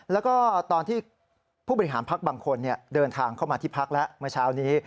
แล้วก็ตอนที่ผู้บริหารพักบางคนเดินทางเข้ามาที่พักแล้วเมื่อเช้านี้